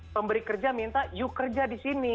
pemberi kerja minta yuk kerja di sini